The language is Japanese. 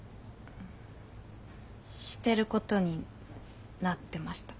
してることになってました。